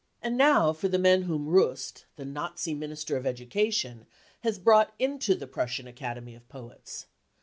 And now for the men whom Rust, the Nazi Minister of Education, has brought into the Prussian Academy of Poets.